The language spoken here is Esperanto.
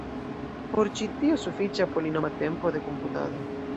Por ĉi tio sufiĉa polinoma tempo de komputado.